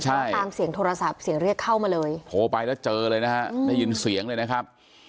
ใช่ตามเสียงโทรศัพท์เสียงเรียกเข้ามาเลยโทรไปแล้วเจอเลยนะฮะได้ยินเสียงเลยนะครับ